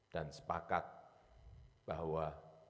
dan sepakat bahwa